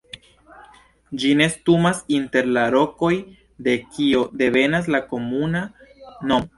Ĝi nestumas inter la rokoj de kio devenas la komuna nomo.